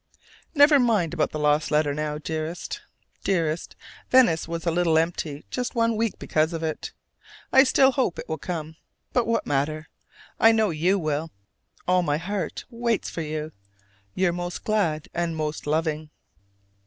Never mind about the lost letter now, dearest, dearest: Venice was a little empty just one week because of it. I still hope it will come; but what matter? I know you will. All my heart waits for you. Your most glad and most loving.